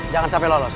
jangan sampai lolos